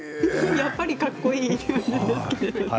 やっぱりかっこいいですね。